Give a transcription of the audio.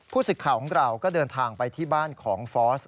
ผู้ศึกขาของเราก็เดินทางไปที่บ้านของฟอร์ส